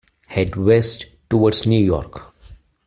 Head west toward New York.